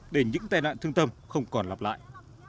để những tai nạn thương tâm không còn lặp lại